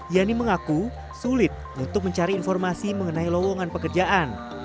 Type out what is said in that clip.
yani mengaku sulit untuk mencari informasi mengenai lowongan pekerjaan